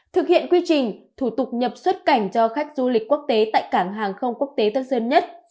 thực hiện quy trình thủ tục nhập xuất cảnh cho khách du lịch quốc tế tại cảng hàng không quốc tế tân sơn nhất